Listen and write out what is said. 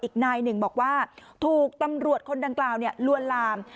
อีกนายหนึ่งบอกว่าถูกตำรวจคนดังกล่าวลวนลาม